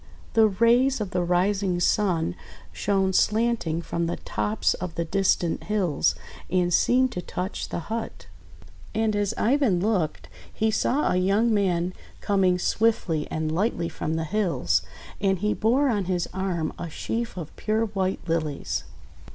The rays of the rising Sun shone slanting from the tops of the distant hills, and seemed to touch the hut. And as Ivan looked, he saw a young man com THE BEAUTY OF THE LILY 33 ing swiftly and lightly from the hills, and he bore on his arm a sheaf of pure white Lilies.